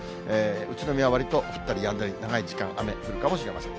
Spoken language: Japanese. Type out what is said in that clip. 宇都宮、わりと降ったりやんだり、長い時間、雨、降るかもしれません。